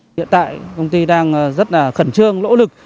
hiện tại công ty đang rất là khẩn trương lỗ lực